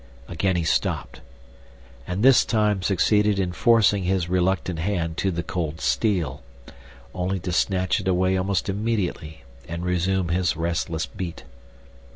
Again he stopped, and this time succeeded in forcing his reluctant hand to the cold steel, only to snatch it away almost immediately and resume his restless beat.